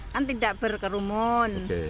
kan tidak berkerumun